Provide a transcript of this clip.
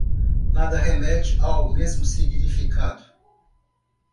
Nada remete ao mesmo significado